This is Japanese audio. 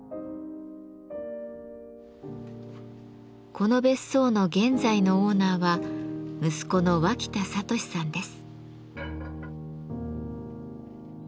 この別荘の現在のオーナーは息子の脇田智さんです。